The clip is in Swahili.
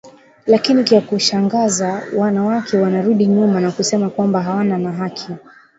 Lakini kya ku shangaza wana wake wana rudi nyuma kusema kwamba hawana na haki